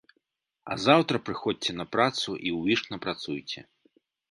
А заўтра прыходзьце на працу, і ўвішна працуйце.